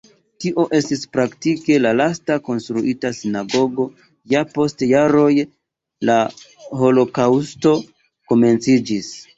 Tio estis praktike la lasta konstruita sinagogo, ja post jaroj la holokaŭsto komenciĝis.